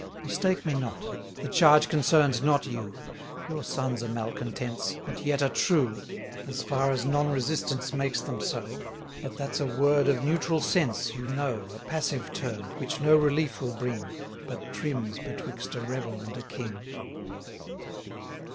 660 Mistake me not; the charge concerns not you: Your sons are malcontents, but yet are true, As far as non resistance makes them so; But that's a word of neutral sense, you know, A passive term, which no relief will bring, But trims betwixt a rebel and a king.